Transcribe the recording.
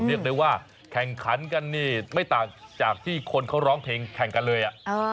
เรียกได้ว่าแข่งขันกันนี่ไม่ต่างจากที่คนเขาร้องเพลงแข่งกันเลย